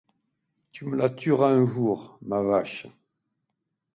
Tu me la tueras un jour, ma vache !